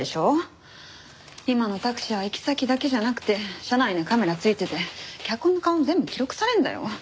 今のタクシーは行き先だけじゃなくて車内にカメラ付いてて客の顔も全部記録されるんだよ。